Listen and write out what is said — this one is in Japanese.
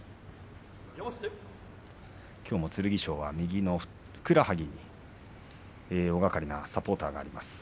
きょうも剣翔は右のふくらはぎに大がかりなサポーターがあります。